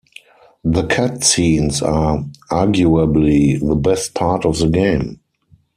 The cut-scenes are arguably the best part of the game.